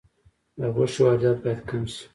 د غوښې واردات باید کم شي